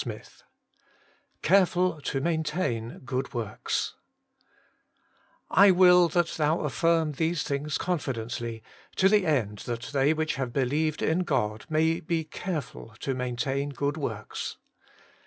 XXIII Careful to maintatn Goo^ MorF^s * I will that thou affirm these things confidently, to the end that they which have believed God may be careful to tiiainfain good ivorks.